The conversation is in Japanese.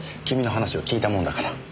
君の話を聞いたもんだから。